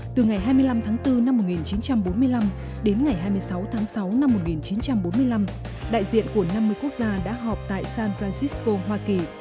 từ ngày hai mươi năm tháng bốn năm một nghìn chín trăm bốn mươi năm đến ngày hai mươi sáu tháng sáu năm một nghìn chín trăm bốn mươi năm đại diện của năm mươi quốc gia đã họp tại san francisco hoa kỳ